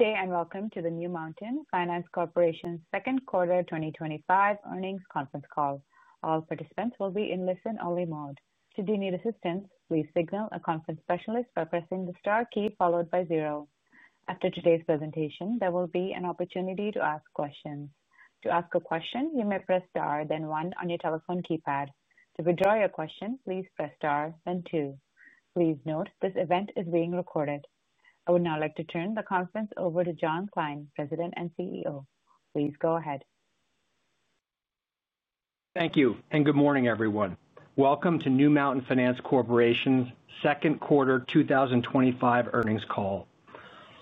Today, I welcome you to the New Mountain Finance Corporation's Second Quarter 2025 Earnings Conference Call. All participants will be in listen-only mode. Should you need assistance, please signal a conference specialist by pressing the Star key followed by zero. After today's presentation, there will be an opportunity to ask questions. To ask a question, you may press Star, then one on your telephone keypad. To withdraw your question, please press star, then two. Please note this event is being recorded. I would now like to turn the conference over to John Kline, President and CEO. Please go ahead. Thank you, and good morning, everyone. Welcome to New Mountain Finance Corporation's second quarter 2025 earnings call.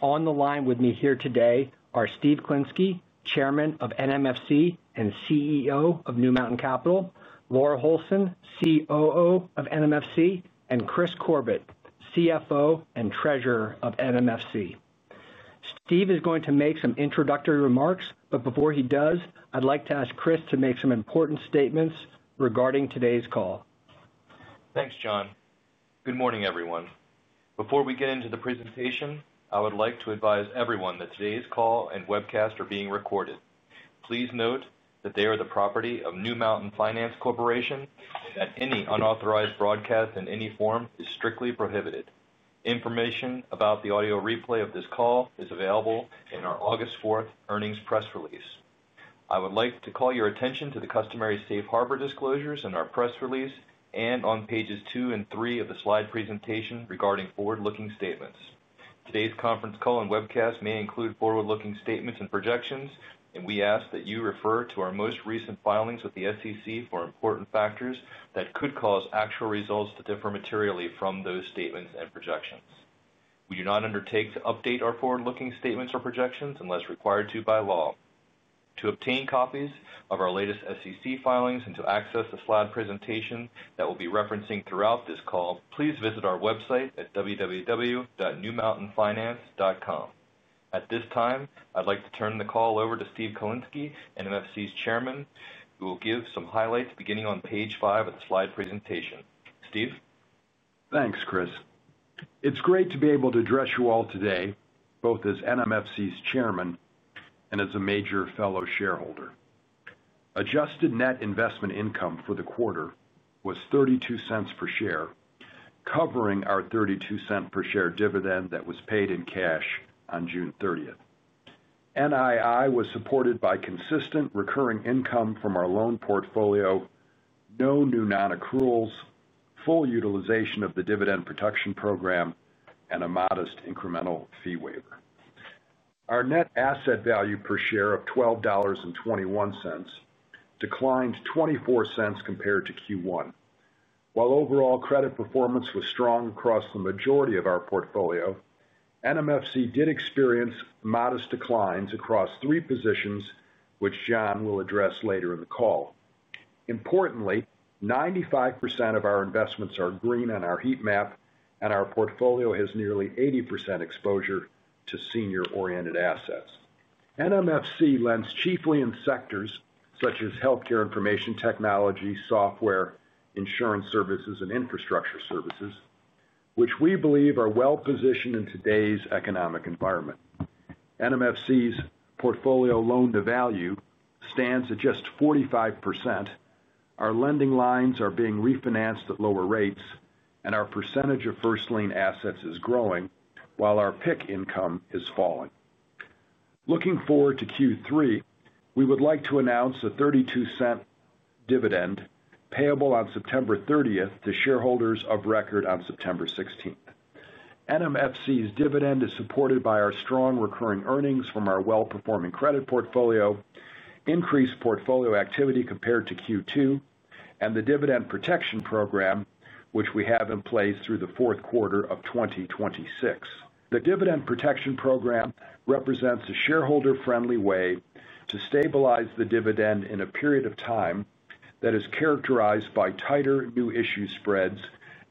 On the line with me here today are Steve Klinsky, Chairman of NMFC and CEO of New Mountain Capital, Laura Holson, COO of NMFC, and Kris Corbett, CFO and Treasurer of NMFC. Steve is going to make some introductory remarks. Before he does, I'd like to ask Kris to make some important statements regarding today's call. Thanks, John. Good morning, everyone. Before we get into the presentation, I would like to advise everyone that today's call and webcast are being recorded. Please note that they are the property of New Mountain Finance Corporation, and any unauthorized broadcast in any form is strictly prohibited. Information about the audio replay of this call is available in our August 4th earnings press release. I would like to call your attention to the customary safe harbor disclosures in our press release and on pages two and three of the slide presentation regarding forward-looking statements. Today's conference call and webcast may include forward-looking statements and projections, and we ask that you refer to our most recent filings with the SEC for important factors that could cause actual results to differ materially from those statements and projections. We do not undertake to update our forward-looking statements or projections unless required to by law. To obtain copies of our latest SEC filings and to access the slide presentation that we'll be referencing throughout this call, please visit our website at www.newmountainfinance.com. At this time, I'd like to turn the call over to Steve Klinsky, NMFC's Chairman, who will give some highlights beginning on page five of the slide presentation. Steve? Thanks, Kris. It's great to be able to address you all today, both as NMFC's Chairman and as a major fellow shareholder. Adjusted net investment income for the quarter was $0.32 per share, covering our $0.32 per share dividend that was paid in cash on June 30, 2024. NII was supported by consistent recurring income from our loan portfolio, no new non-accruals, full utilization of the dividend protection program, and a modest incremental fee waiver. Our net asset value per share of $12.21 declined $0.24 compared to Q1. While overall credit performance was strong across the majority of our portfolio, NMFC did experience modest declines across three positions, which John will address later in the call. Importantly, 95% of our investments are green on our heat map, and our portfolio has nearly 80% exposure to senior-oriented assets. NMFC lends chiefly in sectors such as healthcare information technology, software, insurance services, and infrastructure services, which we believe are well-positioned in today's economic environment. NMFC's portfolio loan-to-value stands at just 45%. Our lending lines are being refinanced at lower rates, and our percentage of first lien assets is growing, while our PIK income is falling. Looking forward to Q3, we would like to announce a $0.32 dividend payable on September 30th, 2024 to shareholders of record on September 16th, 2024. NMFC's dividend is supported by our strong recurring earnings from our well-performing credit portfolio, increased portfolio activity compared to Q2, and the dividend protection program, which we have in place through the fourth quarter of 2026. The dividend protection program represents a shareholder-friendly way to stabilize the dividend in a period of time that is characterized by tighter new issue spreads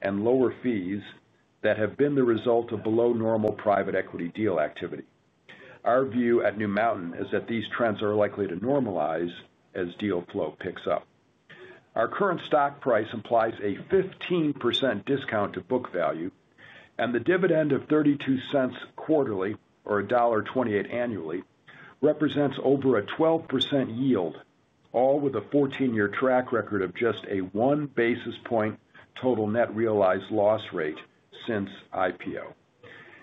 and lower fees that have been the result of below-normal private equity deal activity. Our view at New Mountain is that these trends are likely to normalize as deal flow picks up. Our current stock price implies a 15% discount to book value, and the dividend of $0.32 quarterly, or $1.28 annually, represents over a 12% yield, all with a 14-year track record of just a one basis point total net realized loss rate since IPO.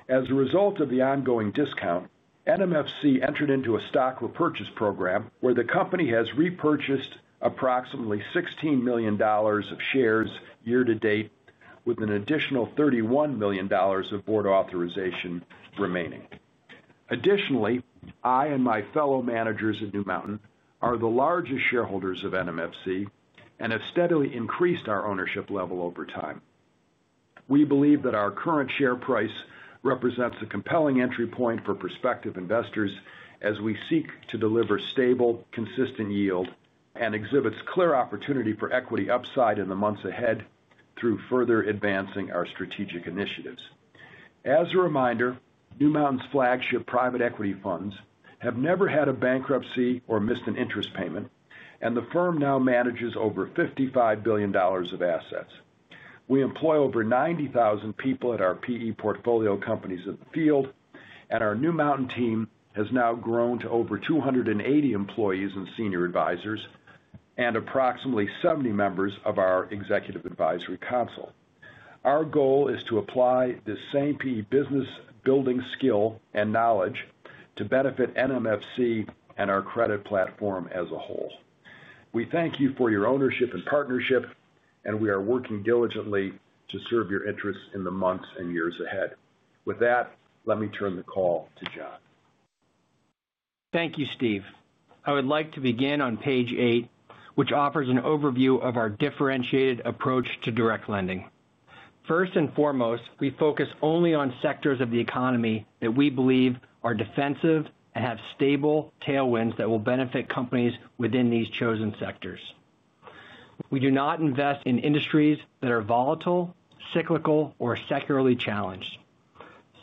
As a result of the ongoing discount, NMFC entered into a stock repurchase program where the company has repurchased approximately $16 million of shares year to date, with an additional $31 million of board authorization remaining. Additionally, I and my fellow managers at New Mountain are the largest shareholders of NMFC and have steadily increased our ownership level over time. We believe that our current share price represents a compelling entry point for prospective investors as we seek to deliver stable, consistent yield and exhibit clear opportunity for equity upside in the months ahead through further advancing our strategic initiatives. As a reminder, New Mountain's flagship private equity funds have never had a bankruptcy or missed an interest payment, and the firm now manages over $55 billion of assets. We employ over 90,000 people at our PE portfolio companies in the field, and our New Mountain team has now grown to over 280 employees and senior advisors, and approximately 70 members of our executive advisory council. Our goal is to apply this same business building skill and knowledge to benefit NMFC and our credit platform as a whole. We thank you for your ownership and partnership, and we are working diligently to serve your interests in the months and years ahead. With that, let me turn the call to John. Thank you, Steve. I would like to begin on page eight, which offers an overview of our differentiated approach to direct lending. First and foremost, we focus only on sectors of the economy that we believe are defensive and have stable tailwinds that will benefit companies within these chosen sectors. We do not invest in industries that are volatile, cyclical, or secularly challenged.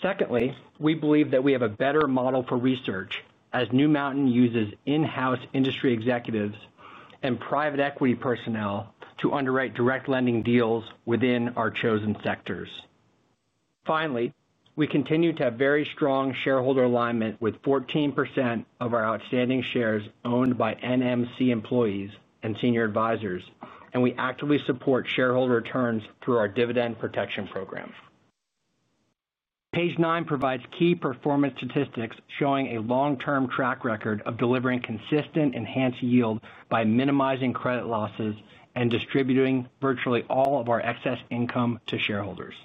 Secondly, we believe that we have a better model for research as New Mountain uses in-house industry executives and private equity personnel to underwrite direct lending deals within our chosen sectors. Finally, we continue to have very strong shareholder alignment with 14% of our outstanding shares owned by NMFC employees and senior advisors, and we actively support shareholder returns through our dividend protection program. Page nine provides key performance statistics showing a long-term track record of delivering consistent enhanced yield by minimizing credit losses and distributing virtually all of our excess income to shareholders.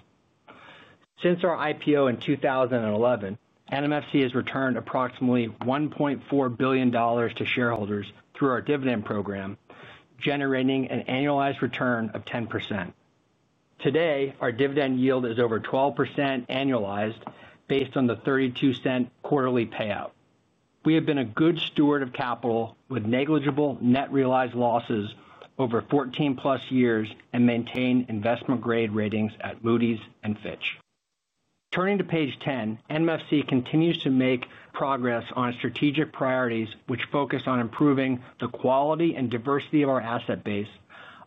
Since our IPO in 2011, NMFC has returned approximately $1.4 billion to shareholders through our dividend program, generating an annualized return of 10%. Today, our dividend yield is over 12% annualized based on the $0.32 quarterly payout. We have been a good steward of capital with negligible net realized losses over 14 plus years and maintain investment grade ratings at Moody's and Fitch. Turning to page 10, NMFC continues to make progress on strategic priorities which focus on improving the quality and diversity of our asset base,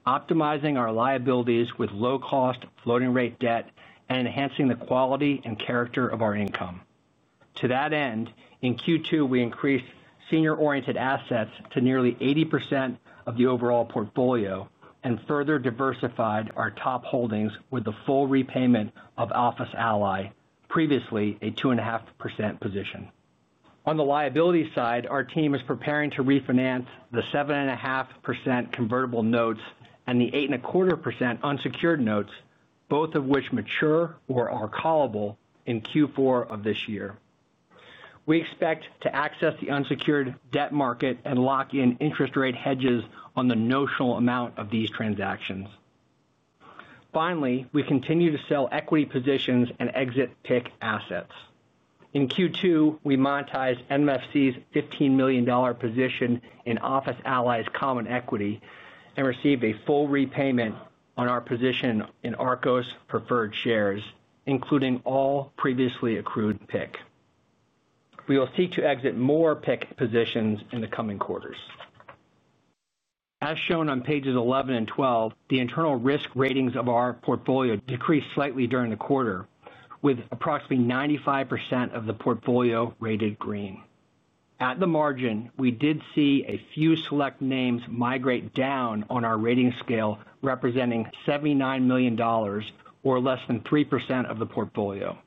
optimizing our liabilities with low-cost floating-rate debt, and enhancing the quality and character of our income. To that end, in Q2, we increased senior-oriented assets to nearly 80% of the overall portfolio and further diversified our top holdings with the full repayment of OfficeAlly, previously a 2.5% position. On the liability side, our team is preparing to refinance the 7.5% convertible notes and the 8.25% unsecured notes, both of which mature or are callable in Q4 of this year. We expect to access the unsecured debt market and lock in interest rate hedges on the notional amount of these transactions. Finally, we continue to sell equity positions and exit PIK assets. In Q2, we monetized NMFC's $15 million position in OfficeAlly's common equity and received a full repayment on our position in ARCOS's preferred shares, including all previously accrued PIK. We will seek to exit more PIK positions in the coming quarters. As shown on pages 11 and 12, the internal risk ratings of our portfolio decreased slightly during the quarter, with approximately 95% of the portfolio rated green. At the margin, we did see a few select names migrate down on our rating scale, representing $79 million, or less than 3% of the portfolio.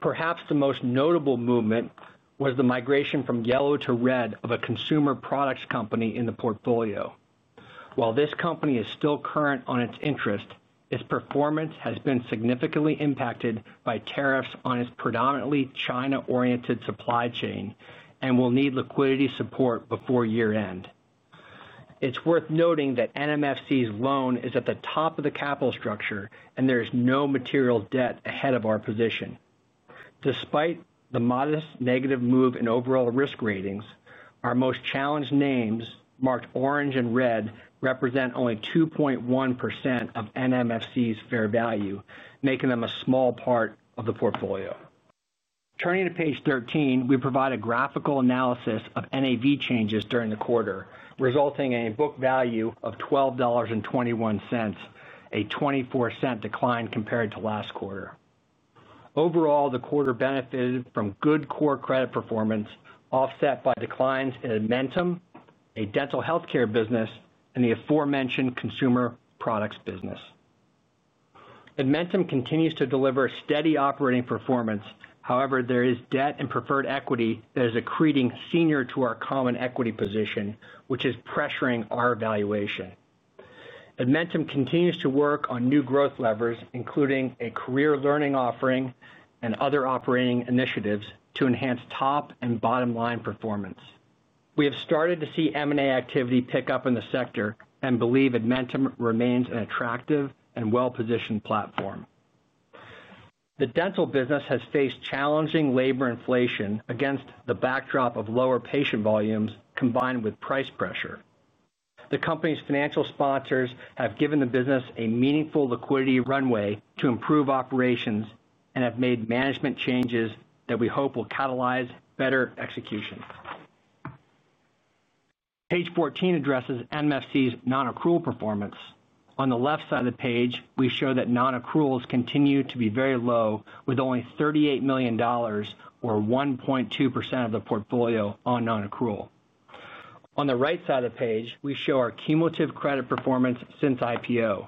Perhaps the most notable movement was the migration from yellow to red of a consumer products company in the portfolio. While this company is still current on its interest, its performance has been significantly impacted by tariffs on its predominantly China-oriented supply chain and will need liquidity support before year-end. It's worth noting that NMFC's loan is at the top of the capital structure, and there is no material debt ahead of our position. Despite the modest negative move in overall risk ratings, our most challenged names, marked orange and red, represent only 2.1% of NMFC's fair value, making them a small part of the portfolio. Turning to page 13, we provide a graphical analysis of NAV changes during the quarter, resulting in a book value of $12.21, a $0.24 decline compared to last quarter. Overall, the quarter benefited from good core credit performance, offset by declines in Admentum, a dental healthcare business, and the aforementioned consumer products business. Admentum continues to deliver steady operating performance; however, there is debt and preferred equity that is accreting senior to our common equity position, which is pressuring our valuation. Admentum continues to work on new growth levers, including a career learning offering and other operating initiatives to enhance top and bottom line performance. We have started to see M&A activity pick up in the sector and believe Admentum remains an attractive and well-positioned platform. The dental business has faced challenging labor inflation against the backdrop of lower patient volumes combined with price pressure. The company's financial sponsors have given the business a meaningful liquidity runway to improve operations and have made management changes that we hope will catalyze better execution. Page 14 addresses NMFC's non-accrual performance. On the left side of the page, we show that non-accruals continue to be very low, with only $38 million, or 1.2% of the portfolio on non-accrual. On the right side of the page, we show our cumulative credit performance since IPO.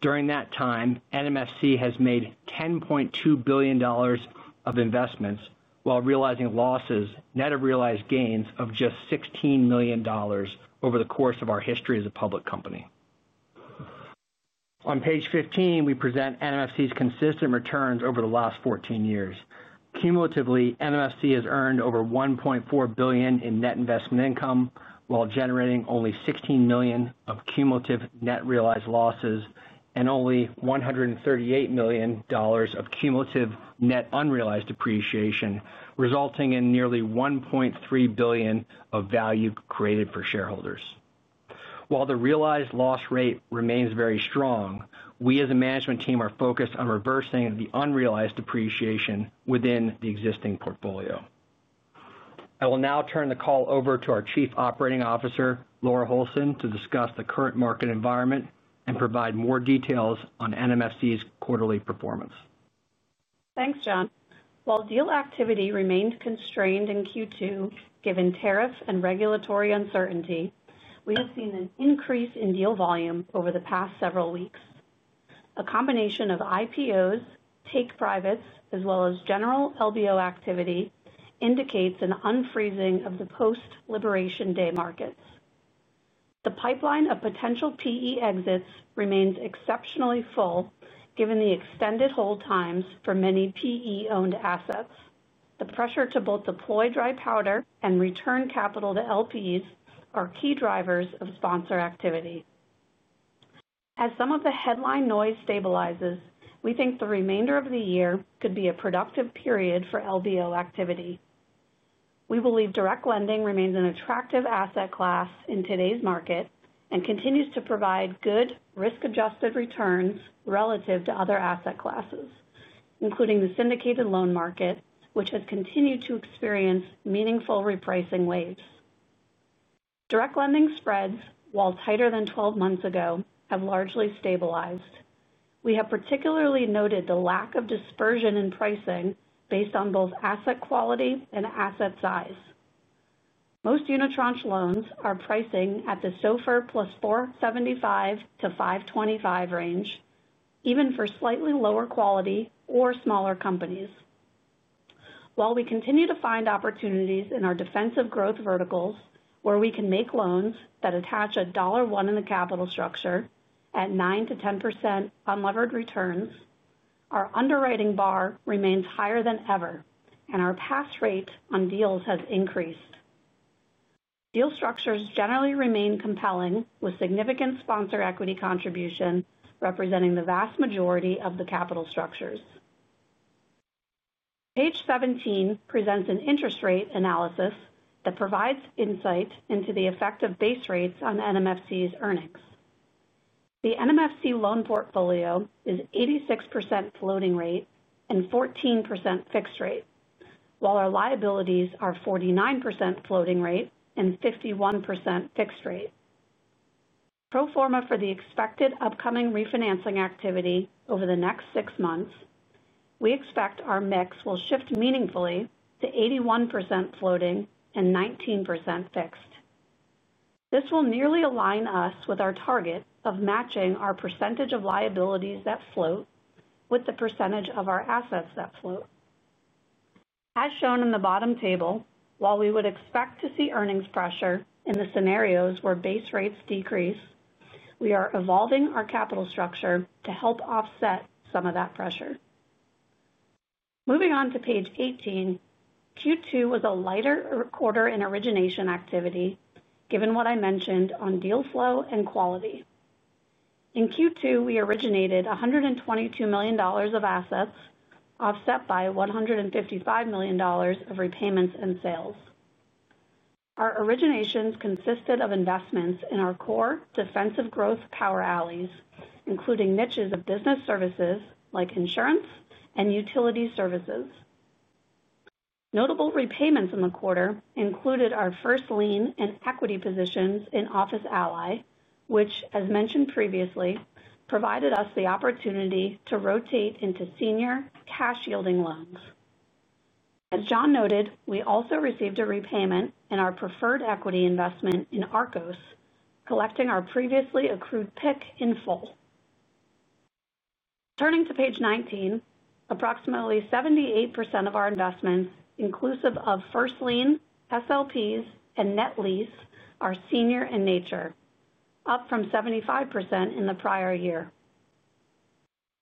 During that time, NMFC has made $10.2 billion of investments while realizing losses net of realized gains of just $16 million over the course of our history as a public company. On page 15, we present NMFC's consistent returns over the last 14 years. Cumulatively, NMFC has earned over $1.4 billion in net investment income while generating only $16 million of cumulative net realized losses and only $138 million of cumulative net unrealized depreciation, resulting in nearly $1.3 billion of value created for shareholders. While the realized loss rate remains very strong, we as a management team are focused on reversing the unrealized depreciation within the existing portfolio. I will now turn the call over to our Chief Operating Officer, Laura Holson, to discuss the current market environment and provide more details on NMFC's quarterly performance. Thanks, John. While deal activity remains constrained in Q2, given tariffs and regulatory uncertainty, we have seen an increase in deal volume over the past several weeks. A combination of IPOs, take privates, as well as general LBO activity indicates an unfreezing of the post-liberation day markets. The pipeline of potential PE exits remains exceptionally full, given the extended hold times for many PE-owned assets. The pressure to both deploy dry powder and return capital to LPs are key drivers of sponsor activity. As some of the headline noise stabilizes, we think the remainder of the year could be a productive period for LBO activity. We believe direct lending remains an attractive asset class in today's market and continues to provide good risk-adjusted returns relative to other asset classes, including the syndicated loan market, which has continued to experience meaningful repricing waves. Direct lending spreads, while tighter than 12 months ago, have largely stabilized. We have particularly noted the lack of dispersion in pricing based on both asset quality and asset size. Most unit tranche loans are pricing at the SOFR plus 475-525 range, even for slightly lower quality or smaller companies. While we continue to find opportunities in our defensive growth verticals, where we can make loans that attach at dollar one in the capital structure at 9%-10% unlevered returns, our underwriting bar remains higher than ever, and our pass rate on deals has increased. Deal structures generally remain compelling with significant sponsor equity contribution representing the vast majority of the capital structures. Page 17 presents an interest rate analysis that provides insight into the effect of base rates on NMFC's earnings. The NMFC loan portfolio is 86% floating rate and 14% fixed rate, while our liabilities are 49% floating rate and 51% fixed rate. Pro forma for the expected upcoming refinancing activity over the next six months, we expect our mix will shift meaningfully to 81% floating and 19% fixed. This will nearly align us with our target of matching our percentage of liabilities that float with the percentage of our assets that float. As shown in the bottom table, while we would expect to see earnings pressure in the scenarios where base rates decrease, we are evolving our capital structure to help offset some of that pressure. Moving on to page 18, Q2 was a lighter quarter in origination activity, given what I mentioned on deal flow and quality. In Q2, we originated $122 million of assets, offset by $155 million of repayments and sales. Our originations consisted of investments in our core defensive growth power alleys, including niches of business services like insurance and utility services. Notable repayments in the quarter included our first lien and equity positions in OfficeAlly, which, as mentioned previously, provided us the opportunity to rotate into senior cash yielding loans. As John noted, we also received a repayment in our preferred equity investment in ARCOS, collecting our previously accrued PIK in full. Turning to page 19, approximately 78% of our investments, inclusive of first lien, SLPs, and net lease, are senior in nature, up from 75% in the prior year.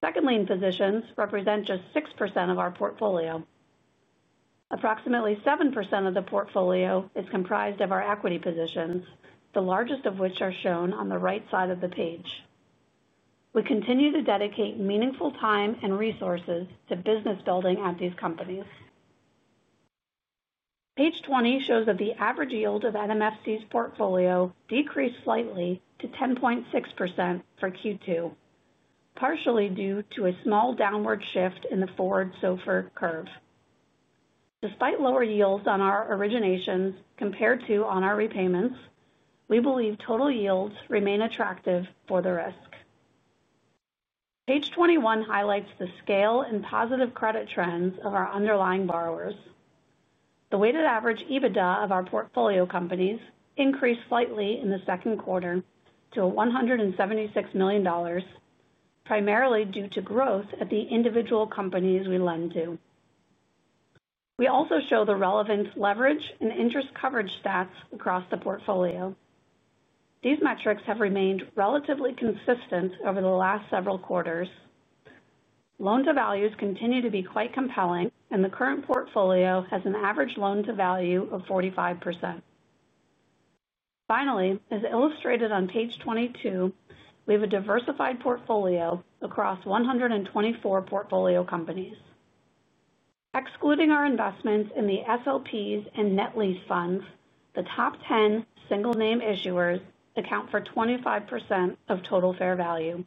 Second lien positions represent just 6% of our portfolio. Approximately 7% of the portfolio is comprised of our equity positions, the largest of which are shown on the right side of the page. We continue to dedicate meaningful time and resources to business building at these companies. Page 20 shows that the average yield of NMFC's portfolio decreased slightly to 10.6% for Q2, partially due to a small downward shift in the forward SOFR curve. Despite lower yields on our originations compared to on our repayments, we believe total yields remain attractive for the risk. Page 21 highlights the scale and positive credit trends of our underlying borrowers. The weighted average EBITDA of our portfolio companies increased slightly in the second quarter to $176 million, primarily due to growth at the individual companies we lend to. We also show the relevant leverage and interest coverage stats across the portfolio. These metrics have remained relatively consistent over the last several quarters. Loan-to-value ratios continue to be quite compelling, and the current portfolio has an average loan-to-value of 45%. Finally, as illustrated on page 22, we have a diversified portfolio across 124 portfolio companies. Excluding our investments in the SLPs and net lease funds, the top 10 single-name issuers account for 25% of total fair value.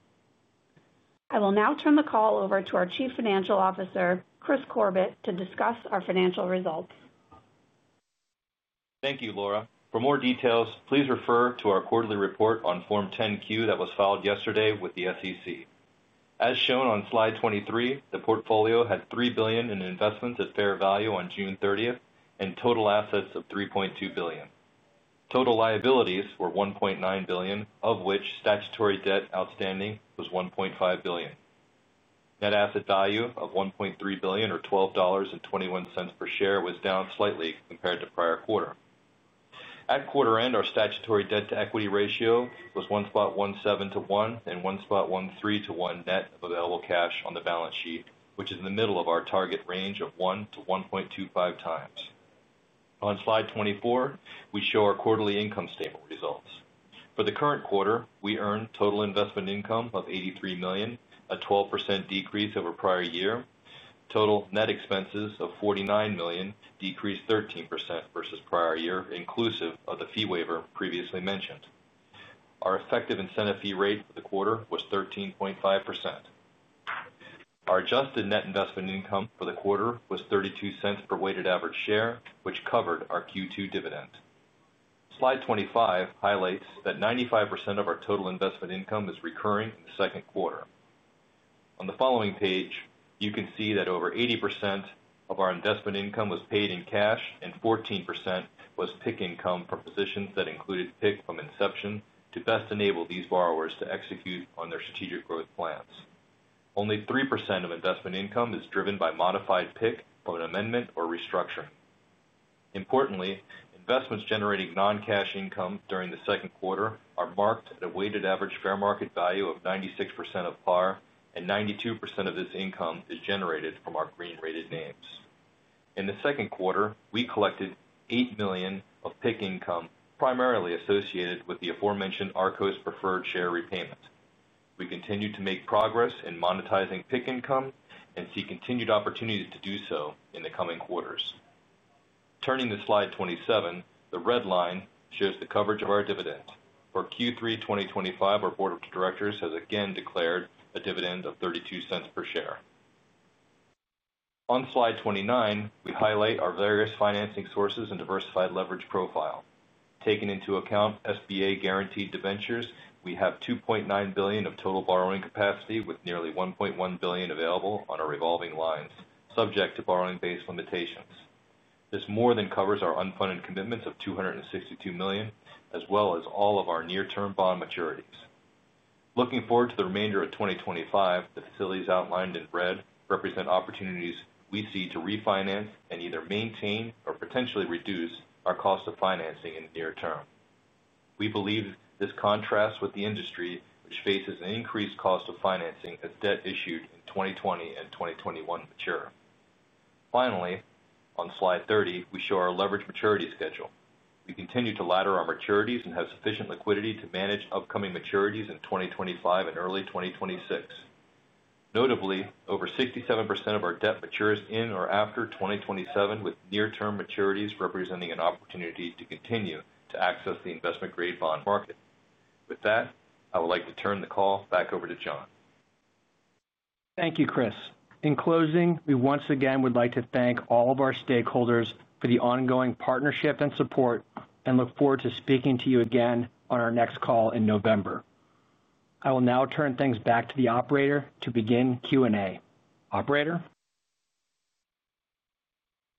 I will now turn the call over to our Chief Financial Officer, Kris Corbett, to discuss our financial results. Thank you, Laura. For more details, please refer to our quarterly report on Form 10-Q that was filed yesterday with the SEC. As shown on slide 23, the portfolio had $3 billion in investments at fair value on June 30th and total assets of $3.2 billion. Total liabilities were $1.9 billion, of which statutory debt outstanding was $1.5 billion. Net asset value of $1.3 billion, or $12.21 per share, was down slightly compared to prior quarter. At quarter end, our statutory debt-to-equity ratio was 1.17-1 and 1.13-1 net of available cash on the balance sheet, which is in the middle of our target range of 1-1.25x. On slide 24, we show our quarterly income statement results. For the current quarter, we earned total investment income of $83 million, a 12% decrease over prior year. Total net expenses of $49 million decreased 13% versus prior year, inclusive of the fee waiver previously mentioned. Our effective incentive fee rate for the quarter was 13.5%. Our adjusted net investment income for the quarter was $0.32 per weighted average share, which covered our Q2 dividend. Slide 25 highlights that 95% of our total investment income is recurring in the second quarter. On the following page, you can see that over 80% of our investment income was paid in cash and 14% was PIK income from positions that included PIK from inception to best enable these borrowers to execute on their strategic growth plans. Only 3% of investment income is driven by modified PIK from an amendment or restructure. Importantly, investments generating non-cash income during the second quarter are marked at a weighted average fair market value of 96% of par, and 92% of this income is generated from our green-rated names. In the second quarter, we collected $8 million of PIK income, primarily associated with the aforementioned ARCOS preferred share repayment. We continue to make progress in monetizing PIK income and see continued opportunity to do so in the coming quarters. Turning to slide 27, the red line shows the coverage of our dividend. For Q3 2025, our Board of Directors has again declared a dividend of $0.32 per share. On slide 29, we highlight our various financing sources and diversified leverage profile. Taking into account SBA-guaranteed debentures, we have $2.9 billion of total borrowing capacity with nearly $1.1 billion available on our revolving lines, subject to borrowing-based limitations. This more than covers our unfunded commitments of $262 million, as well as all of our near-term bond maturities. Looking forward to the remainder of 2025, the facilities outlined in red represent opportunities we see to refinance and either maintain or potentially reduce our cost of financing in the near term. We believe this contrasts with the industry, which faces an increased cost of financing as debt issued in 2020 and 2021 mature. Finally, on slide 30, we show our leverage maturity schedule. We continue to ladder our maturities and have sufficient liquidity to manage upcoming maturities in 2025 and early 2026. Notably, over 67% of our debt matures in or after 2027, with near-term maturities representing an opportunity to continue to access the investment-grade bond market. With that, I would like to turn the call back over to John. Thank you, Kris. In closing, we once again would like to thank all of our stakeholders for the ongoing partnership and support, and look forward to speaking to you again on our next call in November. I will now turn things back to the operator to begin Q&A. Operator?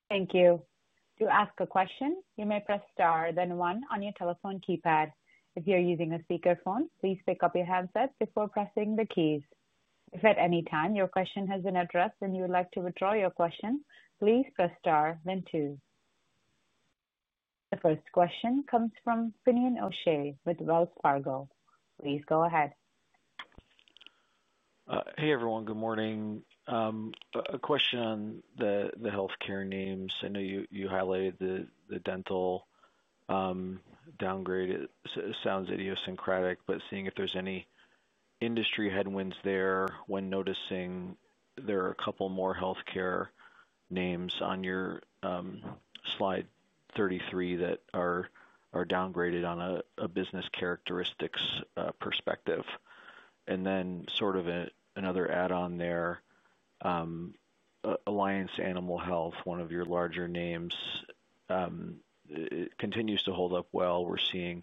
Thank you. To ask a question, you may press Star, then one on your telephone keypad. If you're using a speakerphone, please pick up your headset before pressing the keys. If at any time your question has been addressed and you would like to withdraw your question, please press Star, then two. The first question comes from Finian O'Shea with Wells Fargo. Please go ahead. Hey everyone, good morning. A question on the healthcare names. I know you highlighted the dental downgrade. It sounds idiosyncratic, but seeing if there's any industry headwinds there when noticing there are a couple more healthcare names on your slide 33 that are downgraded on a business characteristics perspective. Another add-on there, Alliance Animal Health, one of your larger names, continues to hold up well. We're seeing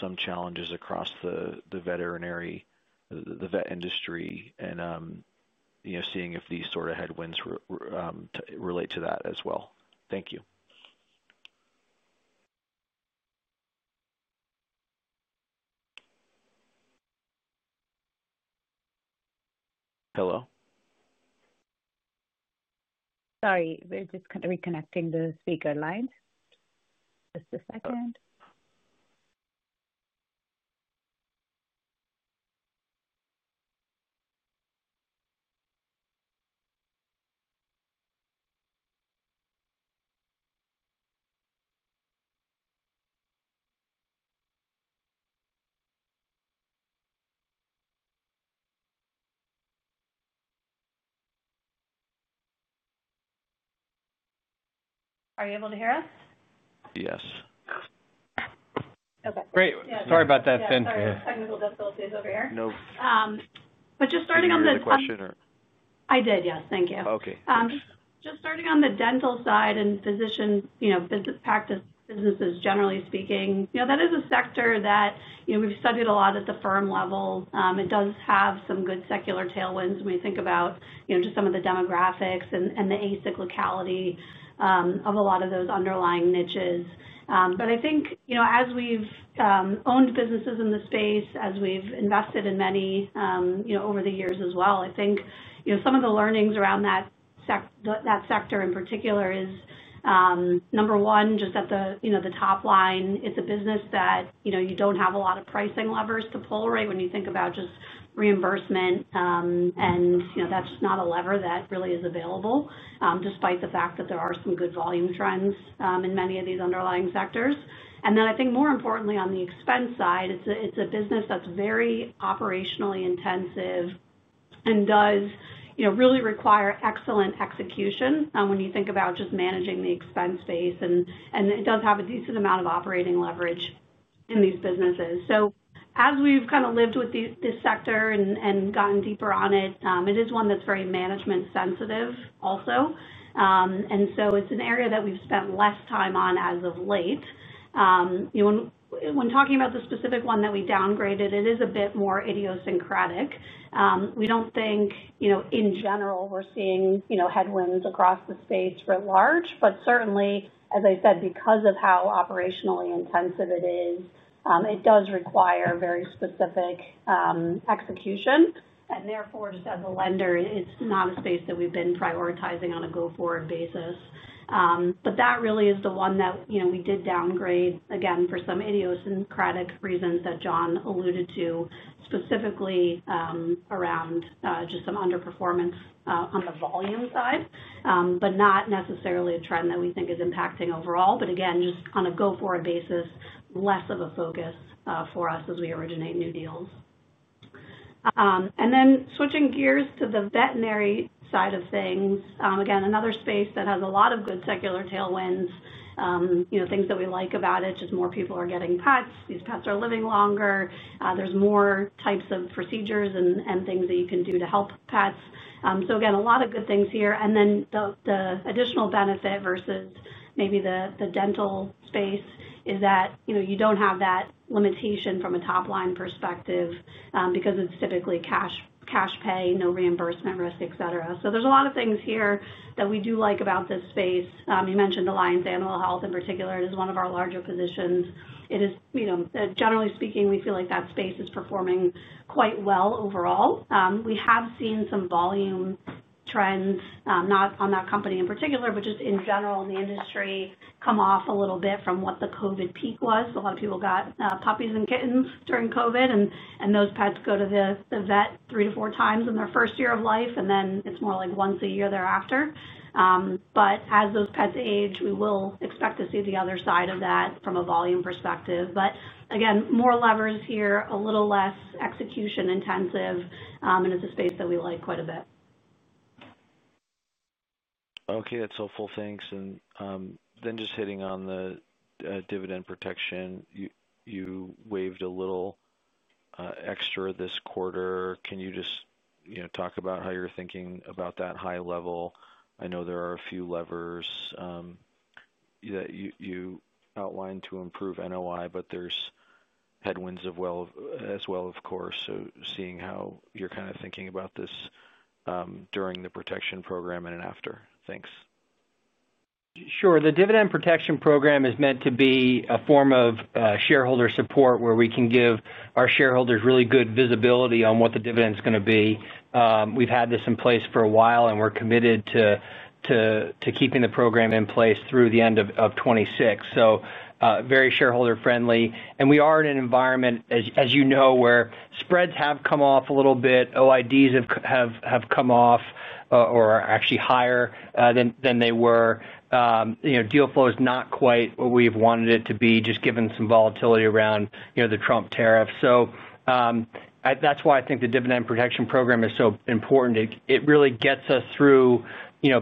some challenges across the veterinary, the vet industry, and seeing if these headwinds relate to that as well. Thank you. Hello? Sorry, we're just reconnecting the speaker lines. Just a second. Are you able to hear us? Yes. Okay. Great. Sorry about that, Finian. Technical difficulties over here. Nope. Starting on the. Did you have a question? I did, yes. Thank you. Okay. Just starting on the dental side and physician practice businesses generally speaking, that is a sector that we've studied a lot at the firm level. It does have some good secular tailwinds when we think about just some of the demographics and the asynchronicity of a lot of those underlying niches. I think as we've owned businesses in the space, as we've invested in many over the years as well, some of the learnings around that sector in particular is, number one, just at the top line, it's a business that you don't have a lot of pricing levers to pull, right? When you think about just reimbursement, that's not a lever that really is available, despite the fact that there are some good volume trends in many of these underlying sectors. I think more importantly on the expense side, it's a business that's very operationally intensive and does really require excellent execution when you think about just managing the expense base, and it does have a decent amount of operating leverage in these businesses. As we've kind of lived with this sector and gotten deeper on it, it is one that's very management sensitive also. It's an area that we've spent less time on as of late. When talking about the specific one that we downgraded, it is a bit more idiosyncratic. We don't think in general we're seeing headwinds across the space writ large, but certainly, as I said, because of how operationally intensive it is, it does require very specific execution. Therefore, just as a lender, it's not a space that we've been prioritizing on a go-forward basis. That really is the one that we did downgrade again for some idiosyncratic reasons that John alluded to, specifically around just some underperformance on the volume side, but not necessarily a trend that we think is impacting overall. Again, just on a go-forward basis, less of a focus for us as we originate new deals. Switching gears to the veterinary side of things, again, another space that has a lot of good secular tailwinds. Things that we like about it, just more people are getting pets. These pets are living longer. There's more types of procedures and things that you can do to help pets. Again, a lot of good things here. The additional benefit versus maybe the dental space is that, you know, you don't have that limitation from a top-line perspective because it's typically cash pay, no reimbursement risk, etc. There are a lot of things here that we do like about this space. You mentioned Alliance Animal Health in particular. It is one of our larger positions. Generally speaking, we feel like that space is performing quite well overall. We have seen some volume trends, not on that company in particular, but just in general in the industry, come off a little bit from what the COVID peak was. A lot of people got puppies and kittens during COVID, and those pets go to the vet three to four times in their first year of life, and then it's more like once a year thereafter. As those pets age, we will expect to see the other side of that from a volume perspective. Again, more levers here, a little less execution-intensive, and it's a space that we like quite a bit. Okay, that's helpful. Thanks. Just hitting on the dividend protection program, you waived a little extra this quarter. Can you just talk about how you're thinking about that high level? I know there are a few levers that you outlined to improve NOI, but there's headwinds as well, of course. Seeing how you're kind of thinking about this during the dividend protection program and after. Thanks. Sure. The dividend protection program is meant to be a form of shareholder support where we can give our shareholders really good visibility on what the dividend is going to be. We've had this in place for a while, and we're committed to keeping the program in place through the end of 2026. Very shareholder-friendly. We are in an environment, as you know, where spreads have come off a little bit, OIDs have come off or are actually higher than they were. Deal flow is not quite what we've wanted it to be, just given some volatility around the Trump tariffs. That's why I think the dividend protection program is so important. It really gets us through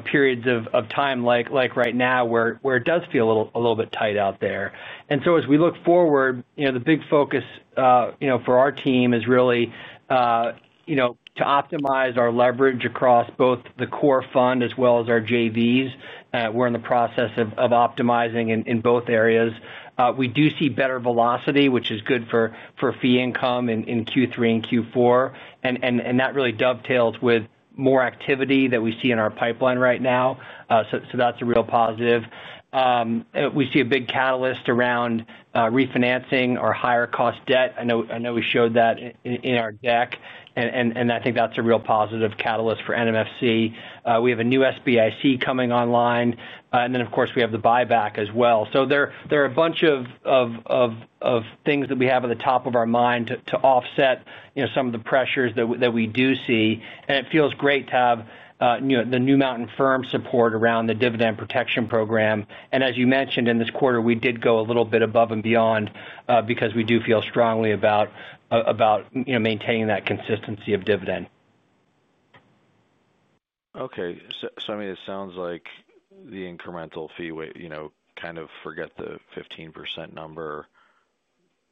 periods of time like right now where it does feel a little bit tight out there. As we look forward, the big focus for our team is really to optimize our leverage across both the core fund as well as our JVs. We're in the process of optimizing in both areas. We do see better velocity, which is good for fee income in Q3 and Q4, and that really dovetails with more activity that we see in our pipeline right now. That's a real positive. We see a big catalyst around refinancing our higher-cost debt. I know we showed that in our deck, and I think that's a real positive catalyst for New Mountain Finance Corporation. We have a new SBIC coming online, and of course, we have the buyback as well. There are a bunch of things that we have at the top of our mind to offset some of the pressures that we do see. It feels great to have the New Mountain firm support around the dividend protection program. As you mentioned, in this quarter, we did go a little bit above and beyond because we do feel strongly about maintaining that consistency of dividend. Okay. It sounds like the incremental fee waive, you know, kind of forget the 15% number.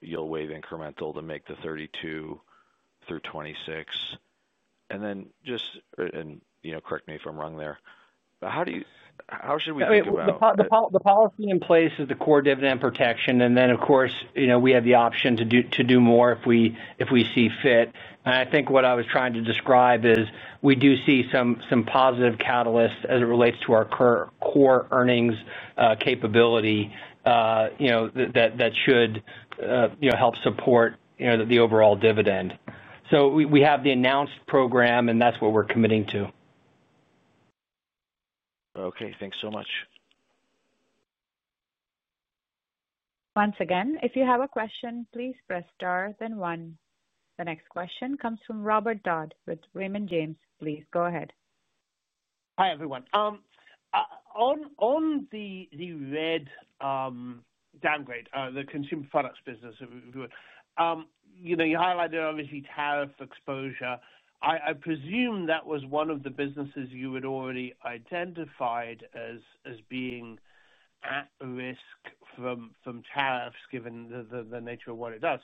You'll waive incremental to make the 32 through 26. Just, and you know, correct me if I'm wrong there. How do you, how should we? The policy in place is the core dividend protection program. Of course, we have the option to do more if we see fit. I think what I was trying to describe is we do see some positive catalysts as it relates to our core earnings capability that should help support the overall dividend. We have the announced program, and that's what we're committing to. Okay, thanks so much. Once again, if you have a question, please press Star, then one. The next question comes from Robert Dodd with Raymond James. Please go ahead. Hi everyone. On the red downgrade, the consumer products business, you highlighted obviously tariff exposure. I presume that was one of the businesses you had already identified as being at risk from tariffs given the nature of what it does.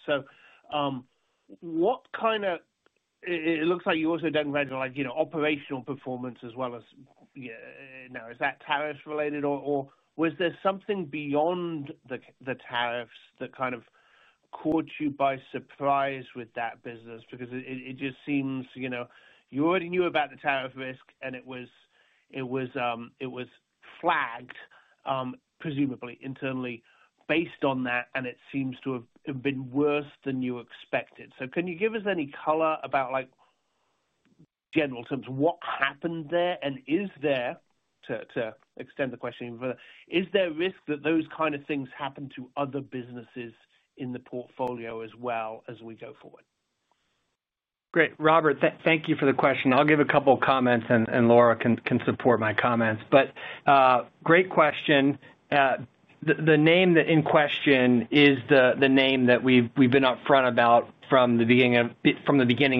What kind of, it looks like you also downgraded operational performance as well as, now is that tariff related or was there something beyond the tariffs that caught you by surprise with that business? It just seems you already knew about the tariff risk and it was flagged, presumably internally based on that, and it seems to have been worse than you expected. Can you give us any color about in general terms what happened there and is there, to extend the question even further, is there risk that those kind of things happen to other businesses in the portfolio as we go forward? Great, Robert, thank you for the question. I'll give a couple of comments and Laura can support my comments. The name in question is the name that we've been upfront about from the beginning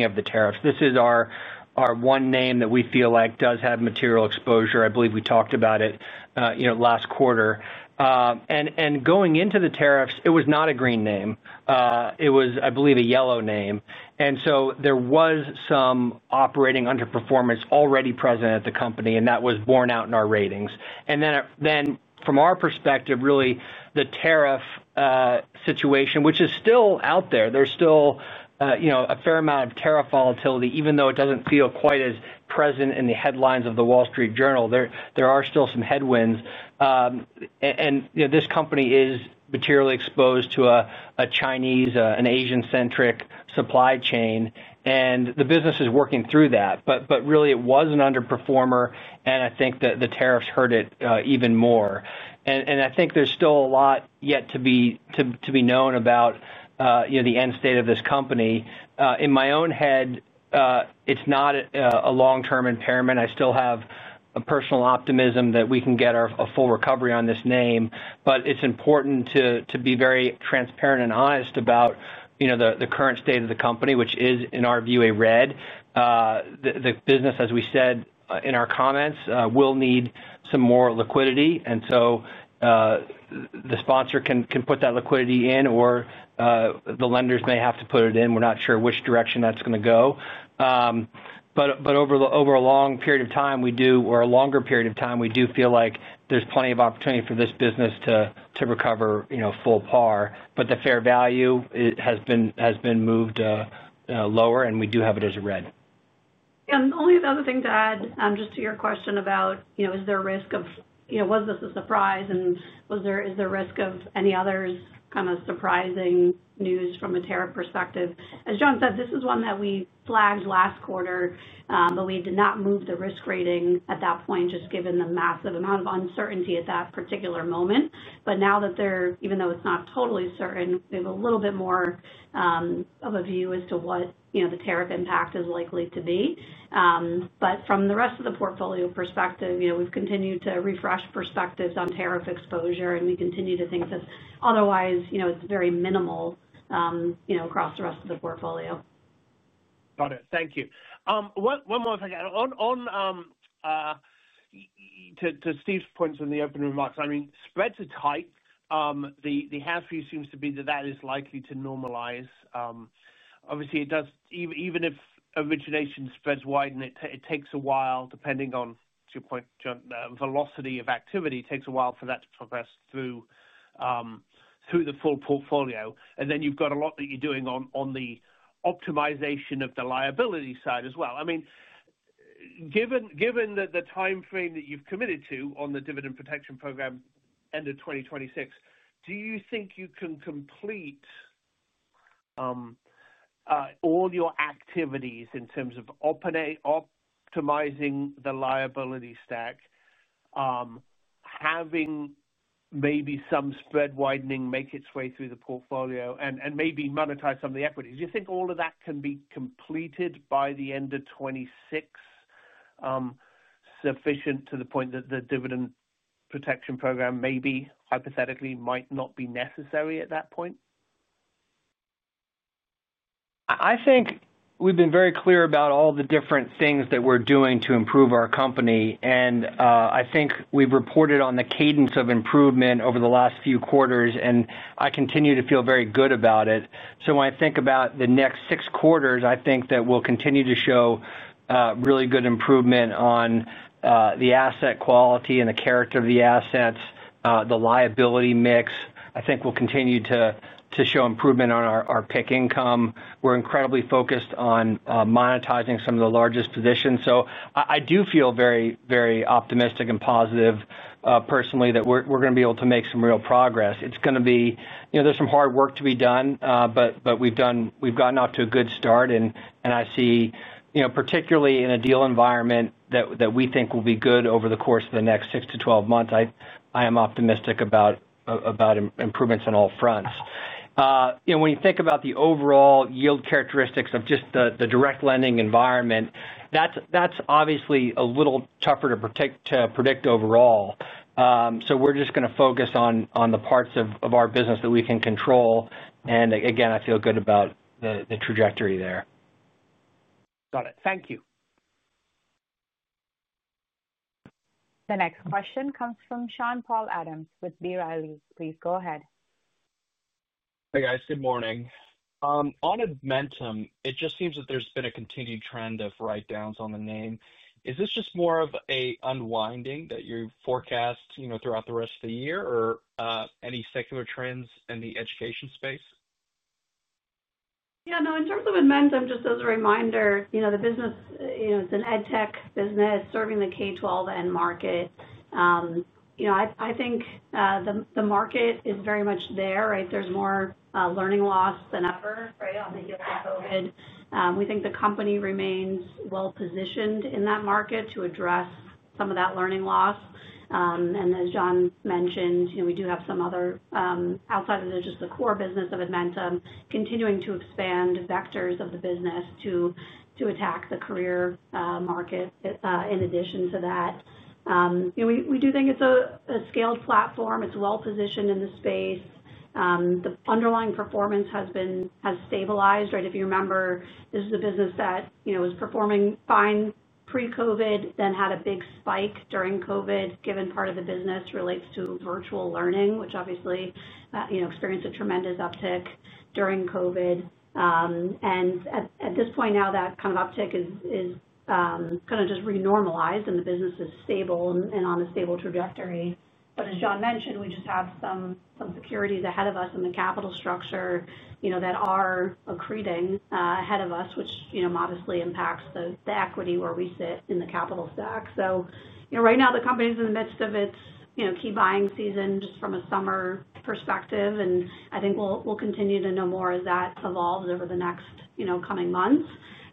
of the tariffs. This is our one name that we feel like does have material exposure. I believe we talked about it last quarter. Going into the tariffs, it was not a green name. It was, I believe, a yellow name. There was some operating underperformance already present at the company, and that was borne out in our ratings. From our perspective, really the tariff situation, which is still out there, there's still a fair amount of tariff volatility, even though it doesn't feel quite as present in the headlines of the Wall Street Journal. There are still some headwinds. This company is materially exposed to a Chinese, an Asian-centric supply chain, and the business is working through that. It was an underperformer, and I think that the tariffs hurt it even more. I think there's still a lot yet to be known about the end state of this company. In my own head, it's not a long-term impairment. I still have a personal optimism that we can get a full recovery on this name, but it's important to be very transparent and honest about the current state of the company, which is, in our view, a red. The business, as we said in our comments, will need some more liquidity, and the sponsor can put that liquidity in, or the lenders may have to put it in. We're not sure which direction that's going to go. Over a longer period of time, we do feel like there's plenty of opportunity for this business to recover full par. The fair value has been moved lower, and we do have it as a red. Yeah, the only other thing to add to your question about, you know, is there a risk of, you know, was this a surprise, and is there a risk of any other kind of surprising news from a tariff perspective? As John said, this is one that we flagged last quarter, but we did not move the risk rating at that point, given the massive amount of uncertainty at that particular moment. Now that there is, even though it's not totally certain, we have a little bit more of a view as to what the tariff impact is likely to be. From the rest of the portfolio perspective, we've continued to refresh perspectives on tariff exposure, and we continue to think that otherwise, it's very minimal across the rest of the portfolio. Got it. Thank you. One more thing, to Steve's points on the open remarks, spreads are tight. The half view seems to be that that is likely to normalize. Obviously, it does, even if origination spreads widen, it takes a while, depending on, to your point, John, the velocity of activity, it takes a while for that to progress through the full portfolio. You've got a lot that you're doing on the optimization of the liability side as well. Given the timeframe that you've committed to on the dividend protection program, end of 2026, do you think you can complete all your activities in terms of optimizing the liability stack, having maybe some spread widening make its way through the portfolio, and maybe monetize some of the equities? Do you think all of that can be completed by the end of 2026, sufficient to the point that the dividend protection program maybe, hypothetically, might not be necessary at that point? I think we've been very clear about all the different things that we're doing to improve our company, and I think we've reported on the cadence of improvement over the last few quarters. I continue to feel very good about it. When I think about the next six quarters, I think that we'll continue to show really good improvement on the asset quality and the character of the assets, the liability mix. I think we'll continue to show improvement on our PIK income. We're incredibly focused on monetizing some of the largest positions. I do feel very, very optimistic and positive personally that we're going to be able to make some real progress. It's going to be, you know, there's some hard work to be done, but we've gotten off to a good start, and I see, you know, particularly in a deal environment that we think will be good over the course of the next six to twelve months, I am optimistic about improvements on all fronts. When you think about the overall yield characteristics of just the direct lending environment, that's obviously a little tougher to predict overall. We're just going to focus on the parts of our business that we can control, and again, I feel good about the trajectory there. Got it. Thank you. The next question comes from Sean-Paul Adams with B. Riley. Please go ahead. Hey, guys, good morning. On Admentum, it just seems that there's been a continued trend of write-downs on the name. Is this just more of an unwinding that you forecast throughout the rest of the year, or any secular trends in the education space? Yeah, no, in terms of Admentum, just as a reminder, the business, you know, it's an ed tech business serving the K-12 end market. I think the market is very much there, right? There's more learning loss than ever, right? We think the company remains well positioned in that market to address some of that learning loss. As John mentioned, we do have some other, outside of just the core business of Admentum, continuing to expand vectors of the business to attack the career market in addition to that. We do think it's a scaled platform. It's well positioned in the space. The underlying performance has stabilized, right? If you remember, this is a business that was performing fine pre-COVID, then had a big spike during COVID, given part of the business relates to virtual learning, which obviously experienced a tremendous uptick during COVID. At this point now, that kind of uptick is kind of just renormalized, and the business is stable and on a stable trajectory. As John mentioned, we just have some securities ahead of us in the capital structure that are accreting ahead of us, which modestly impacts the equity where we sit in the capital stack. Right now the company is in the midst of its key buying season just from a summer perspective, and I think we'll continue to know more as that evolves over the next coming months.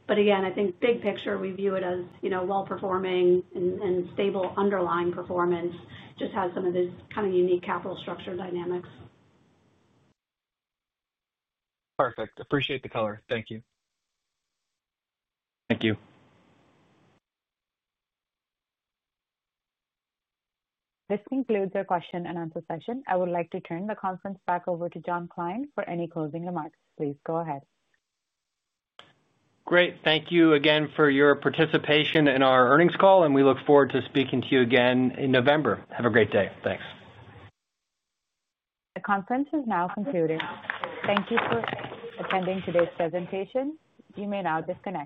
Again, I think big picture, we view it as well-performing and stable underlying performance, just has some of these kind of unique capital structure dynamics. Perfect. Appreciate the color. Thank you. Thank you. This concludes our question-and-answer session. I would like to turn the conference back over to John Kline for any closing remarks. Please go ahead. Great. Thank you again for your participation in our earnings call, and we look forward to speaking to you again in November. Have a great day. Thanks. The conference has now concluded. Thank you for attending today's presentation. You may now disconnect.